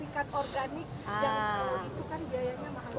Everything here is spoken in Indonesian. dan kalau itu kan biayanya mahal banget